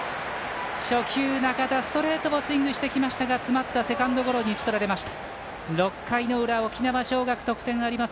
初球、仲田、ストレートをスイングしてきましたが詰まって、セカンドゴロに打ち取られました。